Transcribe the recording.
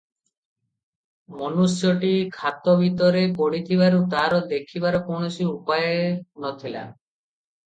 ମନୁଷ୍ୟଟି ଖାତ ଭିତରେ ପଡ଼ିଥିବାରୁ ତାର ଦେଖିବାର କୌଣସି ଉପାୟ ନ ଥିଲା ।